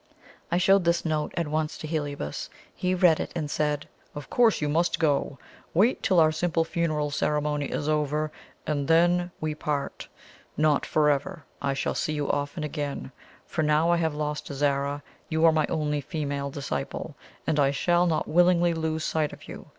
I showed this note at once to Heliobas. He read it, and said: "Of course you must go. Wait till our simple funeral ceremony is over, and then we part. Not for ever; I shall see you often again. For now I have lost Zara, you are my only female disciple, and I shall not willingly lose sight of you.